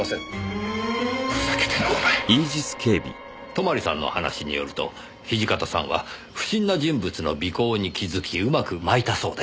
泊さんの話によると土方さんは不審な人物の尾行に気づきうまくまいたそうです。